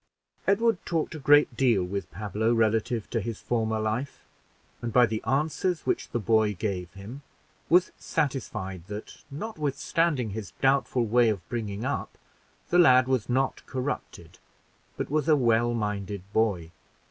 Edward talked a great deal with Pablo relative to his former life; and, by the answers which the boy gave him, was satisfied that, notwithstanding his doubtful way of bringing up, the lad was not corrupted, but was a well minded boy.